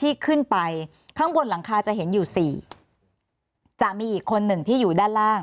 ที่ขึ้นไปข้างบนหลังคาจะเห็นอยู่สี่จะมีอีกคนหนึ่งที่อยู่ด้านล่าง